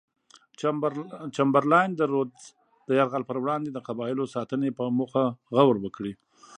چمبرلاین د رودز د یرغل پر وړاندې د قبایلو ساتنې په موخه غور وکړي.